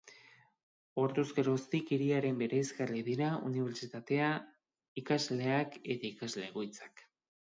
Orduz geroztik, hiriaren bereizgarri dira unibertsitatea, ikasleak eta ikasle-egoitzak.